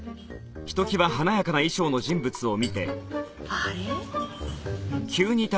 あれ？